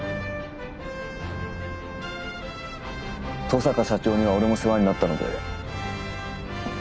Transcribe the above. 登坂社長には俺も世話になったので。